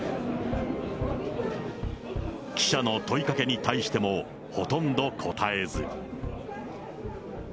記者の問いかけに対しても、ほとんど答えず。